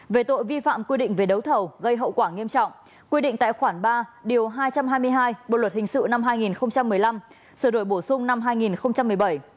về tội vi phạm quy định về đấu thầu gây hậu quả nghiêm trọng quy định tại khoản ba điều hai trăm hai mươi hai bộ luật hình sự năm hai nghìn một mươi năm sửa đổi bổ sung năm hai nghìn một mươi bảy